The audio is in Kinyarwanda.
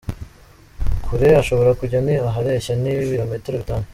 Kure ashobora kujya ni ahareshya n’ibilometero bitanu.